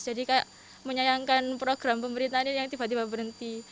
jadi kayak menyayangkan program pemerintah ini yang tiba tiba berhenti